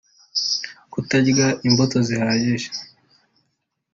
kutarya imbuto zihagije